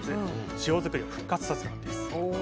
塩づくりを復活させたんです。